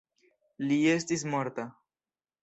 Li estis morta.